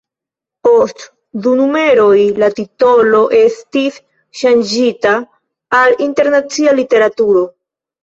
Post du numeroj la titolo estis ŝanĝita al Internacia Literaturo.